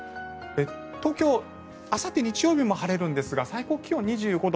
東京あさって日曜日も晴れるんですが最高気温は２５度。